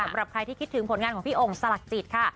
สำหรับใครที่คิดถึงผลงานของพี่โอ่งสลักจิตค่ะ